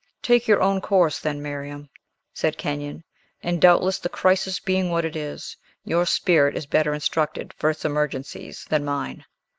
"Take your own course, then, Miriam," said Kenyon; "and, doubtless, the crisis being what it is, your spirit is better instructed for its emergencies than mine."